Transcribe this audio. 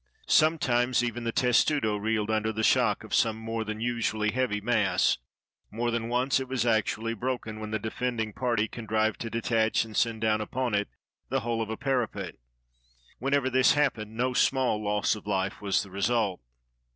Some times even the testudo reeled under the shock of some more than usually heavy mass; more than once it was actually broken when the defending party contrived to detach and send down upon it the whole of a parapet. Whenever this happened no small loss of life was the result.